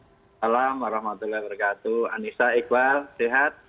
assalamualaikum warahmatullahi wabarakatuh anissa iqbal sehat